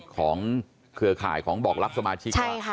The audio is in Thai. เครือข่ายของบอกรับสมาชิก